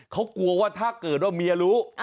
เขากลัวว่าถ้าเกิดว่าเมียรู้